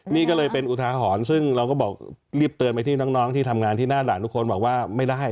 นี่ก็เลยเป็นอุทาหรณ์ซึ่งเราก็บอกรีบเตือนไปที่น้องที่ทำงานที่หน้าด่านทุกคนบอกว่าไม่ได้